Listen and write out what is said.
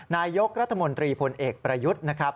นายกรัฐมนตรีพลเอกประยุทธ์นะครับ